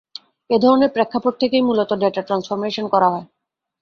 এধরনের প্রেক্ষাপট থেকেই মূলত ডেটা ট্রান্সফরমেশন করা হয়।